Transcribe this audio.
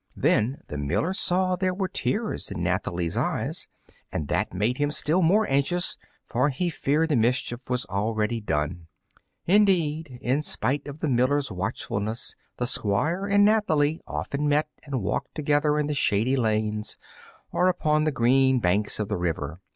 Then the miller saw there were tears in Nathalie's eyes, and that made him still more anxious, for he feared the mischief was already done. Indeed, in spite of the miller's watchfulness, the Squire and Nathalie often met and walked together in the shady lanes or upon the green banks of the river.